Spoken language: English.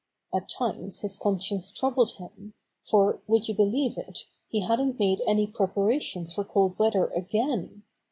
At times his con science troubled him, for, would you believe it, he hadn't made any preparations for cold weather again?